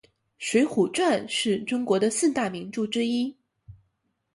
水浒传是中国的四大名著之一。